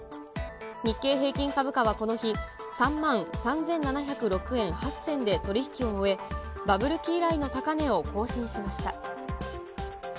日経平均株価はこの日、３万３７０６円８銭で取り引きを終え、バブル期以来の高値を更新しました。